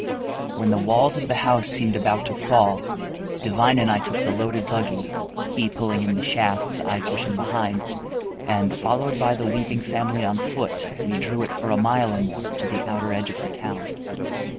When the walls of the house seemed about to fall, Devine and I took the loaded buggy, he pulling in the shafts, I pushing behind, and, followed by the weeping family on foot, we drew it for a mile or more to the outer edge of the town.